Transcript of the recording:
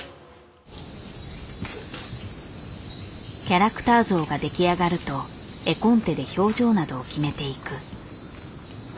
キャラクター像が出来上がると絵コンテで表情などを決めていく。